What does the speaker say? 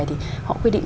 thì họ quy định